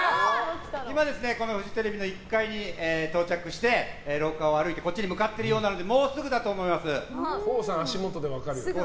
今、フジテレビの１階に到着して廊下を歩いてこっちに向かっているようなのでＫＯＯさんは足元で分かるよ。